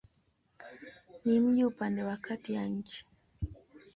Ni mji upande wa kati ya nchi.